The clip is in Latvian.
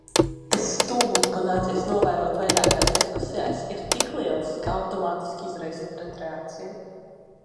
Tas stulbums, ko nācies novērot vairākās diskusijās, ir tik liels, ka automātiski izraisa pretreakciju.